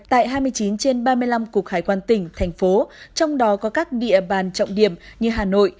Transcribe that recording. tại hai mươi chín trên ba mươi năm cục hải quan tỉnh thành phố trong đó có các địa bàn trọng điểm như hà nội